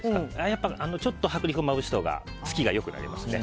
やっぱり、ちょっと薄力粉をまぶしたほうが付きが良くなりますね。